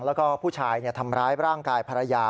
แล้วก็ผู้ชายทำร้ายร่างกายภรรยา